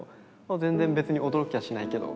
「全然別に驚きはしないけど」みたいな。